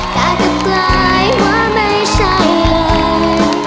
กากกลายว่าไม่ใช่เลย